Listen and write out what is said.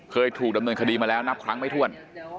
เคยถูกดำเนินคดีมาแล้วนับครั้งไม่ถ้วน